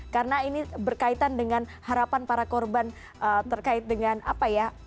karena ini berkaitan dengan harapan para korban terkait dengan apa ya